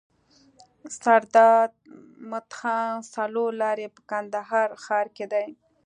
سرداد مدخان څلور لاری په کندهار ښار کي دی.